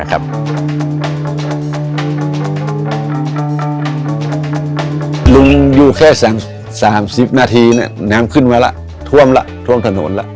รุงอยู่แค่๓๐นาทีน้ำขึ้นมาและทรวมล่ะทรวมถนนล่ะ